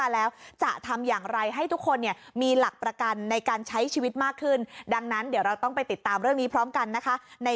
แฮดเดิลวิชแคร์เพราะชีวิตคือสิ่งปลอมบ้าง